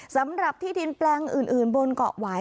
สำหรับที่ดินแปลงอื่นบนเกาะหวาย